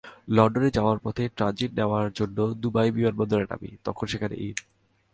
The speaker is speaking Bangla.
লন্ডনে যাওয়ার পথে ট্রানজিট নেওয়ার জন্য দুবাই বিমানবন্দরে নামি, তখন সেখানে ঈদ।